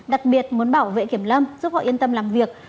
đặc biệt muốn bảo vệ kiểm lâm giúp họ yên tâm làm việc